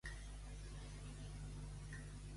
Salmó, allí on cauen.